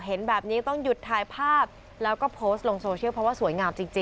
เห็นแบบนี้ต้องหยุดถ่ายภาพแล้วก็โพสต์ลงโซเชียลเพราะว่าสวยงามจริง